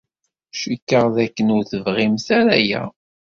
Cikkeɣ dakken ur tebɣimt ara aya.